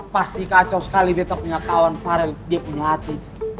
pasti kacau sekali detoknya kawan farel dia punya hati